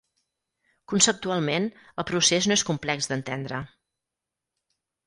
Conceptualment, el procés no és complex d'entendre.